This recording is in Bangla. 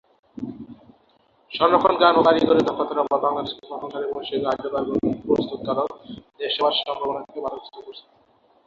সংরক্ষন জ্ঞান ও কারিগরি দক্ষতার অভাব বাংলাদেশকে প্রথম সারির বৈশ্বিক হাইড্রোকার্বন প্রস্তুতকারক দেশ হবার সম্ভাবনাকে বাধাগ্রস্ত করছে।